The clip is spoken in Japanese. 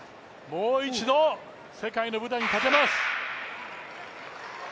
もう一度、世界の舞台に立てます。